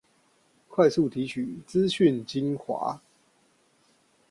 快速提取資訊精華